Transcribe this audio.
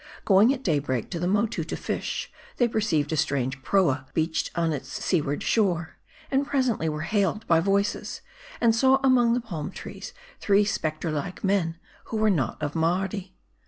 Going at day break to the Motoo to fish, they perceived a strange proa beached on its seaward shore ; and presently were hailed by voices ; and saw among the palm trees, three specter like men, who were not of Mardi.